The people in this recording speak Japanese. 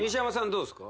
どうですか？